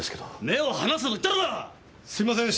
目を離すなと言っただろうが！